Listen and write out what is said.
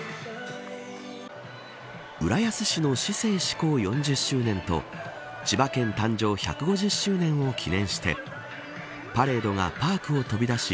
浦安市の市制施行４０周年と千葉県誕生１５０周年を記念してパレードがパークを飛び出し